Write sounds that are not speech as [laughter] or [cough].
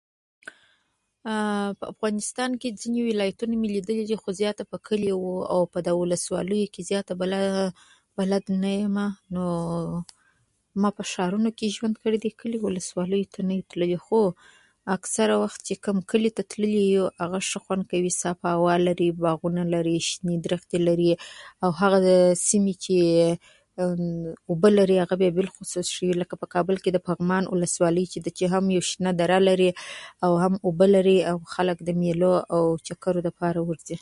[hesitation] په افغانستان کې ځینې ولایتونه مې لیدلي دي، خو زیاته په کلیو او په داسې ولسوالیو کې بلا بلد نه یمه. خو ما په ښارونو کې ژوند کړی دی، په کلیو او ولسوالیو کې مې ژوند نه دی کړی. خو اکثره وخت چې کوم کلي ته تللي یو، هغه ښه خوند کوي، ښه صفا هوا لري، باغونه لري، شنې درختې لري. او هغه د سیمې چې [hesitation] اوبه لري، هغه بالخصوص ښې دي، لکه د کابل د پغمان ولسوالي چې ده. دې کې هم شنه دره لري، هم اوبه لري، هم خلک د میلو او چکرو لپاره ورځي.